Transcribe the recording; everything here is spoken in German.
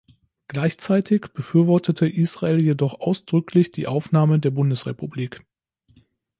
Gleichzeitig befürwortete Israel jedoch ausdrücklich die Aufnahme der Bundesrepublik.